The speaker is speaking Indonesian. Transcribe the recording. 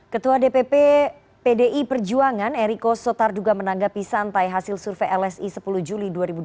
ketua dpp pdi perjuangan eriko sotarduga menanggapi santai hasil survei lsi sepuluh juli dua ribu dua puluh